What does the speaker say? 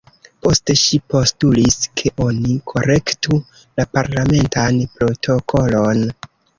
Poste ŝi postulis, ke oni korektu la parlamentan protokolon.